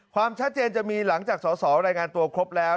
ความชัดเจนจะมีหลังจากสอสอรายงานตัวครบแล้ว